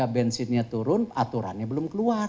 harga bensinnya turun aturannya belum keluar